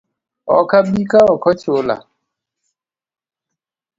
Ok abi ka ok ochula